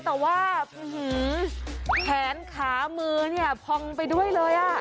แต่ว่าแขนขามือเนี่ยพองไปด้วยเลย